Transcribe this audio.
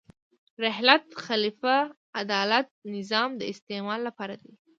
رحلت، خلیفه، عدالت، نظام د استعمال لپاره دي.